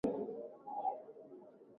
Dhana ya uchumi wa bluu ni mtambuka